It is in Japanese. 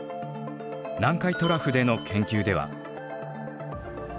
南海トラフでの研究では。